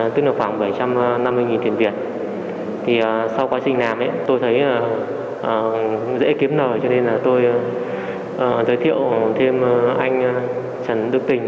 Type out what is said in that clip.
tức là khoảng bảy trăm năm mươi tiền việt sau quá trình làm tôi thấy dễ kiếm nợ cho nên tôi giới thiệu thêm anh trần đức tình